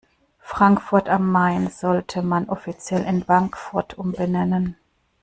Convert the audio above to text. Frankfurt am Main sollte man offiziell in Bankfurt umbenennen.